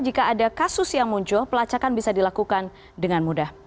jika ada kasus yang muncul pelacakan bisa dilakukan dengan mudah